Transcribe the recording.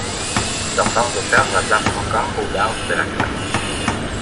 Certains auteurs la placent encore au large de la Crète.